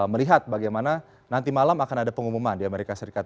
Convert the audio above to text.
melihat bagaimana nanti malam akan ada pengumuman di amerika serikat